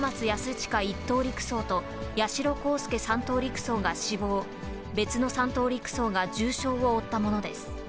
親１等陸曹と八代航佑３等陸曹が死亡、別の３等陸曹が重傷を負ったものです。